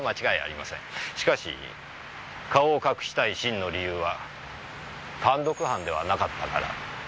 しかし顔を隠したい真の理由は単独犯ではなかったから。